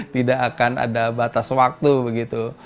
tidak akan ada batas waktu begitu